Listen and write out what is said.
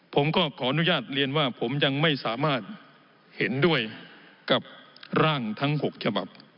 ผมก็ขออนุญาตเรียนว่าผมยังไม่สามารถเห็นด้วยกับร่างทั้ง๖ฉบับ